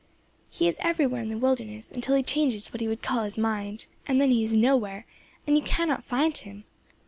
He is everywhere in the wilderness, until he changes what he would call his mind; and then he is nowhere, and you cannot find him.